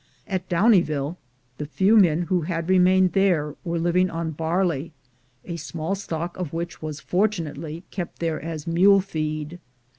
At Downieville, the few men who had remained there were living on barley, a small stock of which was fortunately kept there as mule feed.